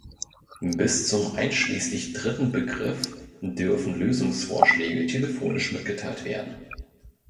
Bis zum einschließlich dritten Begriff dürfen Lösungsvorschläge telefonisch mitgeteilt werden.